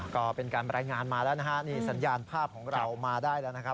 ก็เป็นการรายงานมาแล้วนะฮะนี่สัญญาณภาพของเรามาได้แล้วนะครับ